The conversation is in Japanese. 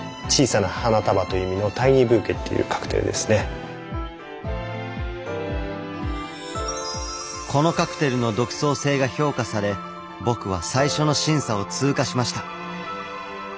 こちらこのカクテルの独創性が評価され僕は最初の審査を通過しました。